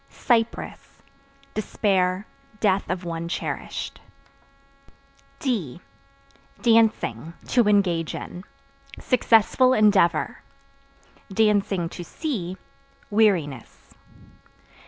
Cypress Despair, death of one cherished. D Dancing (To engage in) successful endeavor; (to see) weariness.